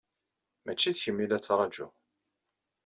Maci d kemm ay la ttṛajuɣ.